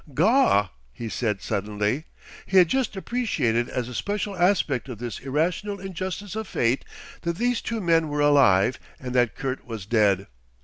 "Gaw!" he said suddenly. He had just appreciated as a special aspect of this irrational injustice of fate that these two men were alive and that Kurt was dead.